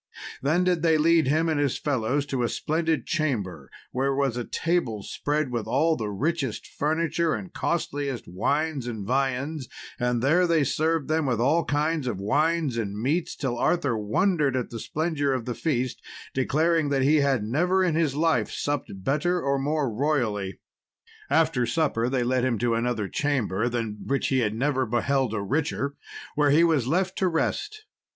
Then did they lead him and his fellows to a splendid chamber, where was a table spread with all the richest furniture, and costliest wines and viands; and there they served them with all kinds of wines and meats, till Arthur wondered at the splendour of the feast, declaring he had never in his life supped better, or more royally. After supper they led him to another chamber, than which he had never beheld a richer, where he was left to rest.